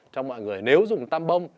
cho mọi người nếu dùng tăm bông